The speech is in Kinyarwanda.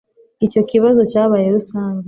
icyo kibazo cyabaye rusange